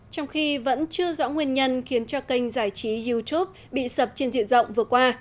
trong khi vẫn chưa rõ nguyên nhân khiến cho kênh giải trí youtube bị sập trên diện rộng vừa qua